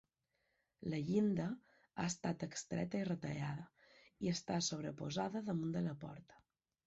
La llinda ha estat extreta i retallada, i està sobreposada damunt de la porta.